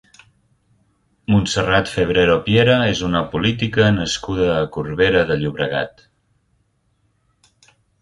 Montserrat Febrero Piera és una política nascuda a Corbera de Llobregat.